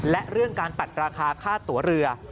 และเรื่องการตัดราคาค่าตัวเรือ